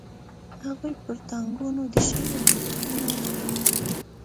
هغوی پر ټانګونو د شګو ګوزارونه وکړل.